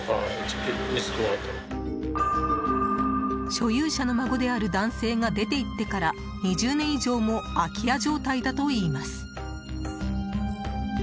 所有者の孫である男性が出ていってから２０年以上も空き家状態だといいます。